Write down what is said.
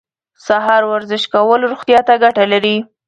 سهار ورزش کول روغتیا ته ګټه لري.